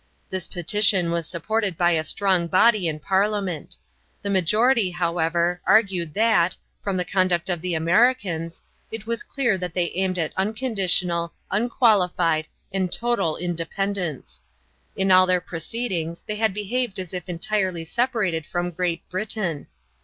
This petition was supported by a strong body in Parliament. The majority, however, argued that, from the conduct of the Americans, it was clear that they aimed at unconditional, unqualified, and total independence. In all their proceedings they had behaved as if entirely separated from Great Britain.